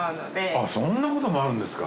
あっそんなこともあるんですか。